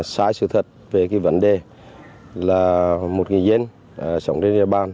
xảy sự thật về vấn đề là một người dân sống trên địa bàn